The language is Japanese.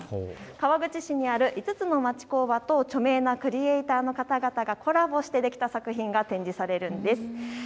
川口市にある５つの町工場と著名なクリエーターの方々がコラボして作った作品が展示されます。